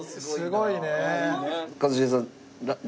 すごいね。